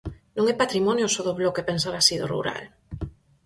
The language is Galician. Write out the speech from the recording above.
Non é patrimonio só do Bloque pensar así do rural.